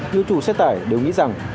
như chủ xét tải đều nghĩ rằng